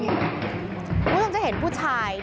คุณผู้ชมจะเห็นผู้ชาย